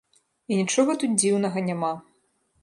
І нічога тут дзіўнага няма.